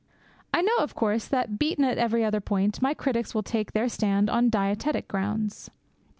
I know, of course, that, beaten at every other point, my critics will take their stand on dietetic grounds.